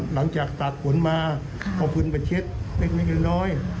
หลังจากตากกลวนมาเอาปืนมาเช็ดนิดน้อย